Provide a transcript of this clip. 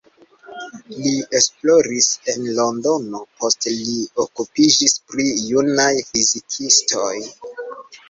Li esploris en Londono, poste li okupiĝis pri junaj fizikistoj.